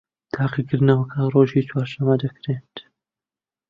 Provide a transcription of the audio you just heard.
تاقیکردنەوەکە ڕۆژی چوارشەممە دەکرێت